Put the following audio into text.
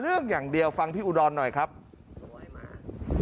แล้วอ้างด้วยว่าผมเนี่ยทำงานอยู่โรงพยาบาลดังนะฮะกู้ชีพที่เขากำลังมาประถมพยาบาลดังนะฮะ